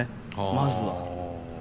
まずは。